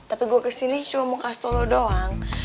tapi gua kesini cuma mau kasih tau lo doang